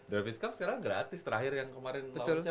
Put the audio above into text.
dafiskap sekarang gratis terakhir yang kemarin lawan siapa ya